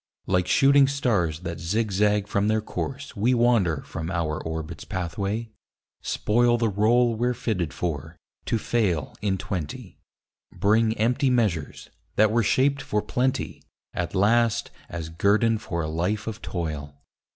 Like shooting stars that zig zag from their course We wander from our orbit's pathway; spoil The rôle we're fitted for, to fail in twenty. Bring empty measures, that were shaped for plenty, At last as guerdon for a life of toil.